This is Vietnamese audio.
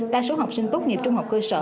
đa số học sinh tốt nghiệp trung học cơ sở